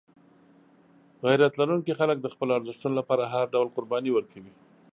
غیرت لرونکي خلک د خپلو ارزښتونو لپاره هر ډول قرباني ورکوي.